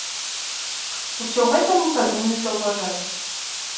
Усё гэта мы павінны заўважаць.